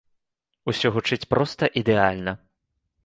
Усё гучыць проста ідэальна!